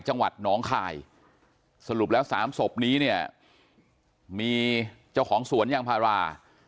จังหวัดน้องคายสรุปแล้ว๓ศพนี้เนี่ยมีเจ้าของสวนยางพารา